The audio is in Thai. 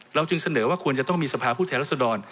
จึงเสนอว่าควรจะต้องมีสภาพผู้แทนรัศดร